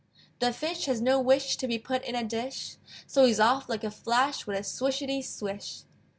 The Fish has no wish To be put in a dish, So he's off like a flash With a swishety swish.